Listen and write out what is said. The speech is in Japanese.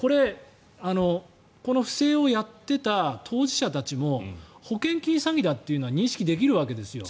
この不正をやっていた当事者たちも保険金詐欺だというのは認識できるわけですよ。